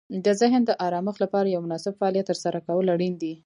د ذهن د آرامښت لپاره یو مناسب فعالیت ترسره کول اړین دي.